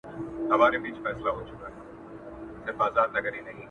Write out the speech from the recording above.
پر زړه چي د هغه د نوم څلور لفظونه ليک دي